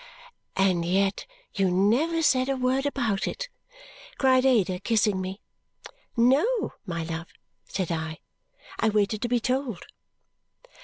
"And yet you never said a word about it!" cried Ada, kissing me. "No, my love," said I. "I waited to be told."